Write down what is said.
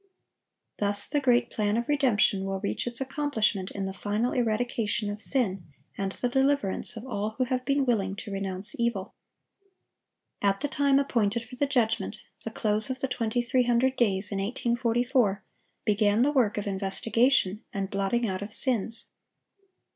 Thus the great plan of redemption will reach its accomplishment in the final eradication of sin, and the deliverance of all who have been willing to renounce evil. At the time appointed for the judgment—the close of the 2300 days, in 1844—began the work of investigation and blotting out of sins.